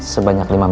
sebanyak lima menit